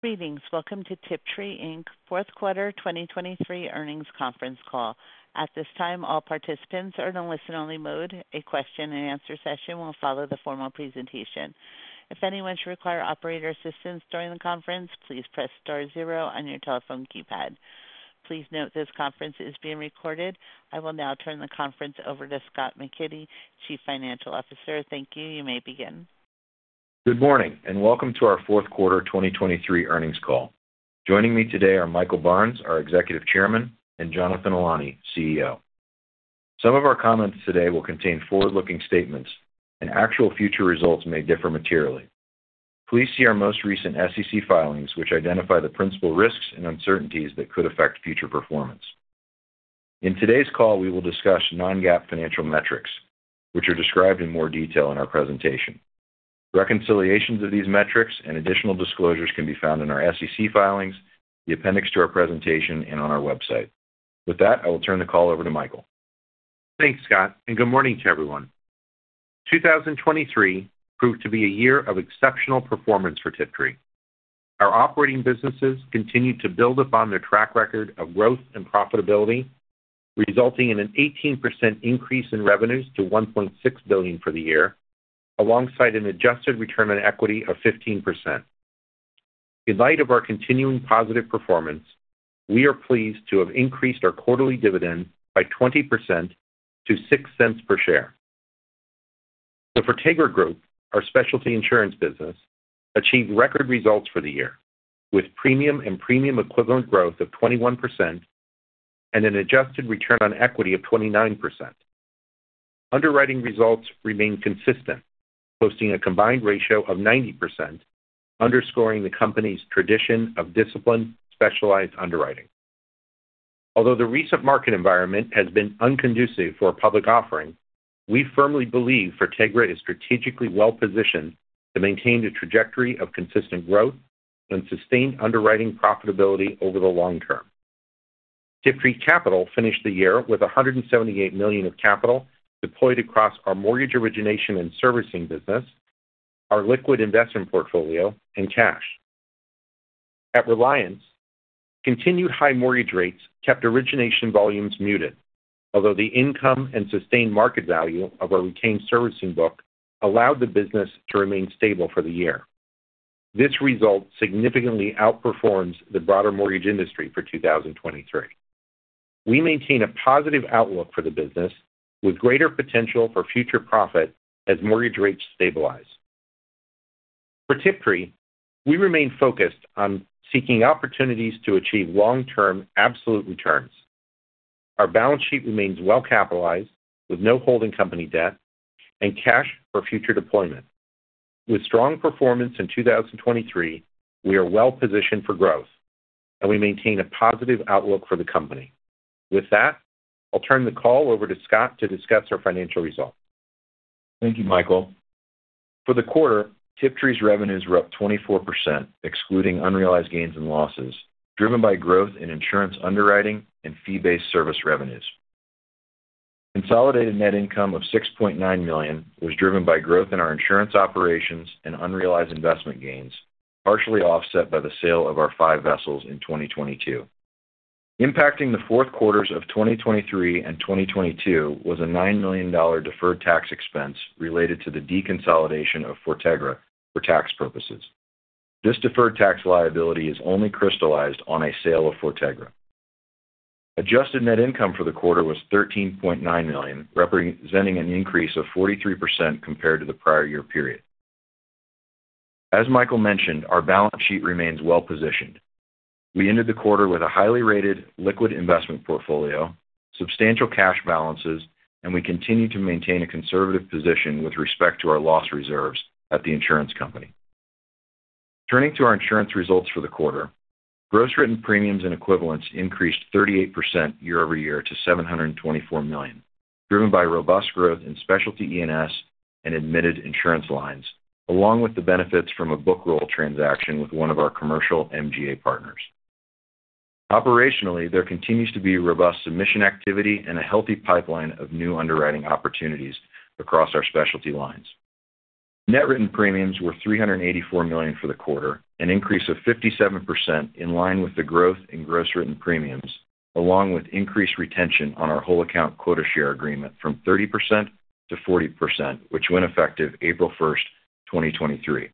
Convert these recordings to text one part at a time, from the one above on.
Greetings. Welcome to Tiptree Inc.'s Fourth Quarter 2023 earnings conference call. At this time, all participants are in a listen-only mode. A question-and-answer session will follow the formal presentation. If anyone should require operator assistance during the conference, please press star zero on your telephone keypad. Please note this conference is being recorded. I will now turn the conference over to Scott McKinney, Chief Financial Officer. Thank you. You may begin. Good morning, and welcome to our fourth quarter 2023 earnings call. Joining me today are Michael Barnes, our Executive Chairman, and Jonathan Ilany, CEO. Some of our comments today will contain forward-looking statements, and actual future results may differ materially. Please see our most recent SEC filings, which identify the principal risks and uncertainties that could affect future performance. In today's call, we will discuss non-GAAP financial metrics, which are described in more detail in our presentation. Reconciliations of these metrics and additional disclosures can be found in our SEC filings, the appendix to our presentation, and on our website. With that, I will turn the call over to Michael. Thanks, Scott, and good morning to everyone. 2023 proved to be a year of exceptional performance for Tiptree. Our operating businesses continued to build upon their track record of growth and profitability, resulting in an 18% increase in revenues to $1.6 billion for the year, alongside an adjusted return on equity of 15%. In light of our continuing positive performance, we are pleased to have increased our quarterly dividend by 20% to $0.06 per share. The Fortegra Group, our specialty insurance business, achieved record results for the year, with premium and premium equivalent growth of 21% and an adjusted return on equity of 29%. Underwriting results remained consistent, posting a combined ratio of 90%, underscoring the company's tradition of disciplined, specialized underwriting. Although the recent market environment has been unconducive for a public offering, we firmly believe Fortegra is strategically well positioned to maintain the trajectory of consistent growth and sustained underwriting profitability over the long term. Tiptree Capital finished the year with $178 million of capital deployed across our mortgage origination and servicing business, our liquid investment portfolio, and cash. At Reliance, continued high mortgage rates kept origination volumes muted, although the income and sustained market value of our retained servicing book allowed the business to remain stable for the year. This result significantly outperforms the broader mortgage industry for 2023. We maintain a positive outlook for the business, with greater potential for future profit as mortgage rates stabilize. For Tiptree, we remain focused on seeking opportunities to achieve long-term absolute returns. Our balance sheet remains well-capitalized, with no holding company debt and cash for future deployment. With strong performance in 2023, we are well positioned for growth, and we maintain a positive outlook for the company. With that, I'll turn the call over to Scott to discuss our financial results. Thank you, Michael. For the quarter, Tiptree's revenues were up 24%, excluding unrealized gains and losses, driven by growth in insurance underwriting and fee-based service revenues. Consolidated net income of $6.9 million was driven by growth in our insurance operations and unrealized investment gains, partially offset by the sale of our five vessels in 2022. Impacting the fourth quarters of 2023 and 2022 was a $9 million deferred tax expense related to the deconsolidation of Fortegra for tax purposes. This deferred tax liability is only crystallized on a sale of Fortegra. Adjusted net income for the quarter was $13.9 million, representing an increase of 43% compared to the prior year period. As Michael mentioned, our balance sheet remains well-positioned. We ended the quarter with a highly rated liquid investment portfolio, substantial cash balances, and we continue to maintain a conservative position with respect to our loss reserves at the insurance company. Turning to our insurance results for the quarter, Gross Written Premiums and Equivalents increased 38% year-over-year to $724 million, driven by robust growth in specialty E&S and admitted insurance lines, along with the benefits from a book roll transaction with one of our commercial MGA partners. Operationally, there continues to be robust submission activity and a healthy pipeline of new underwriting opportunities across our specialty lines. Net Written Premiums were $384 million for the quarter, an increase of 57% in line with the growth in Gross Written Premiums, along with increased retention on our Whole Account Quota Share Agreement from 30% to 40%, which went effective April 1, 2023.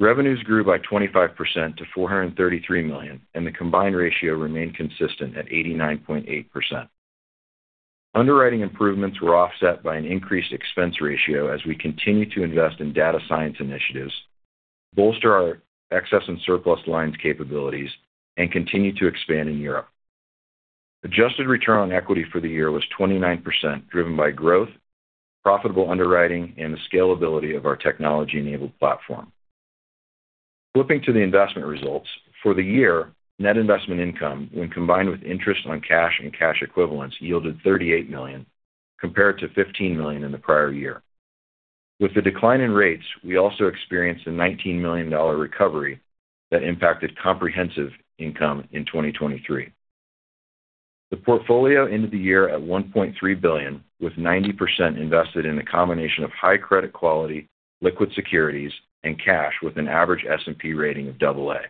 Revenues grew by 25% to $433 million, and the Combined Ratio remained consistent at 89.8%. Underwriting improvements were offset by an increased expense ratio as we continue to invest in data science initiatives, bolster our excess and surplus lines capabilities, and continue to expand in Europe. Adjusted Return on Equity for the year was 29%, driven by growth, profitable underwriting, and the scalability of our technology-enabled platform. Flipping to the investment results, for the year, net investment income, when combined with interest on cash and cash equivalents, yielded $38 million, compared to $15 million in the prior year. With the decline in rates, we also experienced a $19 million recovery that impacted comprehensive income in 2023. The portfolio ended the year at $1.3 billion, with 90% invested in a combination of high credit quality, liquid securities, and cash, with an average S&P rating of AA.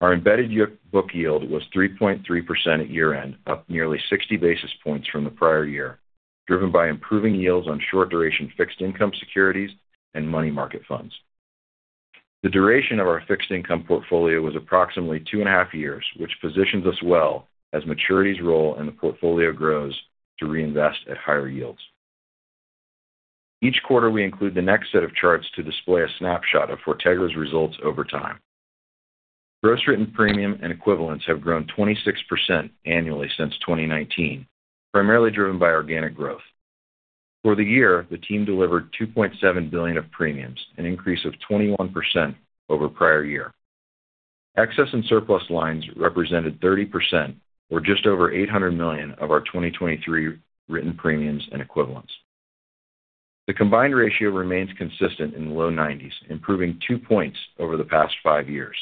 Our embedded year book yield was 3.3% at year-end, up nearly 60 basis points from the prior year, driven by improving yields on short duration fixed income securities and money market funds. The duration of our fixed income portfolio was approximately 2.5 years, which positions us well as maturities roll and the portfolio grows to reinvest at higher yields. Each quarter, we include the next set of charts to display a snapshot of Fortegra's results over time. Gross written premium and equivalents have grown 26% annually since 2019, primarily driven by organic growth. For the year, the team delivered $2.7 billion of premiums, an increase of 21% over prior year. Excess and Surplus lines represented 30% or just over $800 million of our 2023 written premiums and equivalents. The combined ratio remains consistent in the low 90s, improving 2 points over the past 5 years.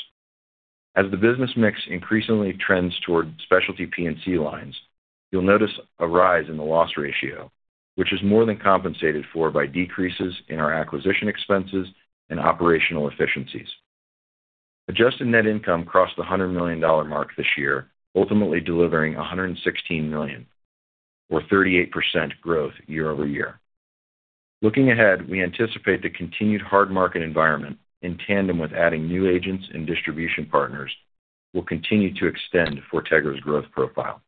As the business mix increasingly trends toward specialty P&C lines, you'll notice a rise in the loss ratio, which is more than compensated for by decreases in our acquisition expenses and operational efficiencies. Adjusted net income crossed the $100 million mark this year, ultimately delivering $116 million, or 38% growth year-over-year. Looking ahead, we anticipate the continued hard market environment, in tandem with adding new agents and distribution partners, will continue to extend Fortegra's growth profile.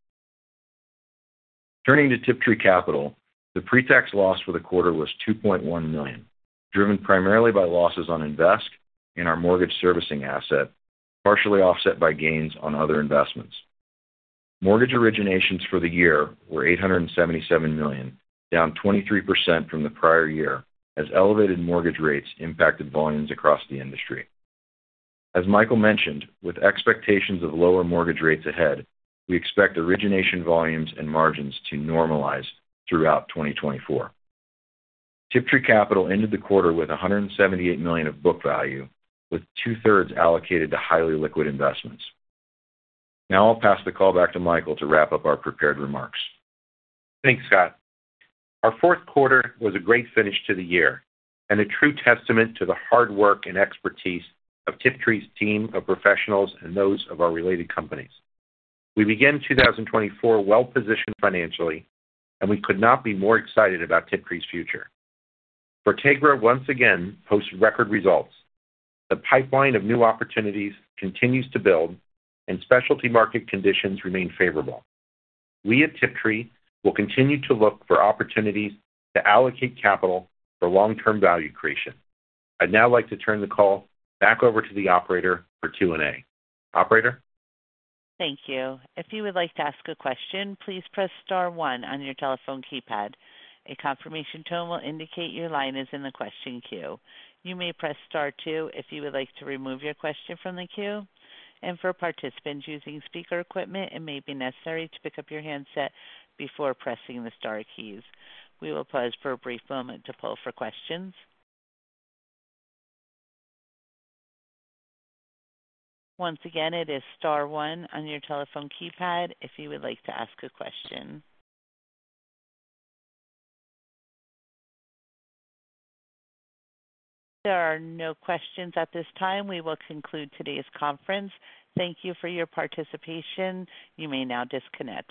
Turning to Tiptree Capital, the pre-tax loss for the quarter was $2.1 million, driven primarily by losses on Invest and our mortgage servicing asset, partially offset by gains on other investments. Mortgage originations for the year were $877 million, down 23% from the prior year, as elevated mortgage rates impacted volumes across the industry. As Michael mentioned, with expectations of lower mortgage rates ahead, we expect origination volumes and margins to normalize throughout 2024. Tiptree Capital ended the quarter with $178 million of book value, with two-thirds allocated to highly liquid investments. Now I'll pass the call back to Michael to wrap up our prepared remarks. Thanks, Scott. Our fourth quarter was a great finish to the year and a true testament to the hard work and expertise of Tiptree's team of professionals and those of our related companies. We begin 2024 well positioned financially, and we could not be more excited about Tiptree's future. Fortegra once again posts record results. The pipeline of new opportunities continues to build, and specialty market conditions remain favorable. We at Tiptree will continue to look for opportunities to allocate capital for long-term value creation. I'd now like to turn the call back over to the operator for Q&A. Operator? Thank you. If you would like to ask a question, please press star one on your telephone keypad. A confirmation tone will indicate your line is in the question queue. You may press star two if you would like to remove your question from the queue. For participants using speaker equipment, it may be necessary to pick up your handset before pressing the star keys. We will pause for a brief moment to pull for questions. Once again, it is star one on your telephone keypad if you would like to ask a question. There are no questions at this time. We will conclude today's conference. Thank you for your participation. You may now disconnect.